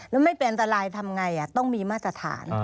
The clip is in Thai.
แล้วไม่เป็นอันตรายทำไงต้องมีมาตรฐาน